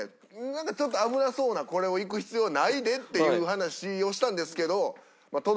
「ちょっと危なそうなこれをいく必要ないで」っていう話をしたんですけど。